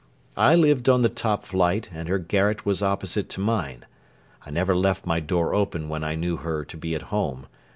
I lived on the top flight and her garret was opposite to mine. I never left my door open when I knew her to be at home.